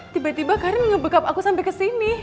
tiba tiba karim ngebekap aku sampai kesini